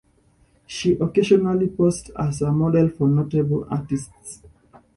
She occasionally posed as a model for notable artists.